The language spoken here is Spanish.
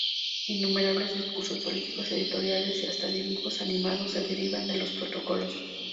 Innumerables discursos políticos, editoriales y hasta dibujos animados se derivan de los Protocolos.